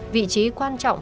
vị trí quan trọng